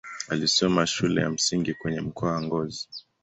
Alisoma shule ya msingi kwenye mkoa wa Ngozi.